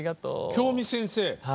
京美先生。